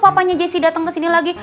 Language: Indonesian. papanya jesse dateng kesini lagi